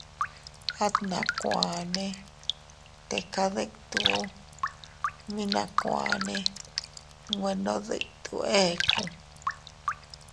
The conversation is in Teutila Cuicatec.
At nakuanne teka dittu, mi nakuane nwe ndo dittu eku.